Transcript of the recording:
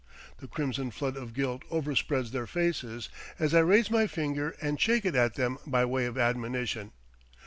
The crimson flood of guilt overspreads their faces as I raise my finger and shake it at them by way of admonition.